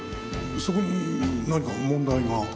そこに何か問題が？